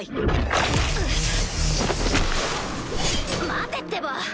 待てってば！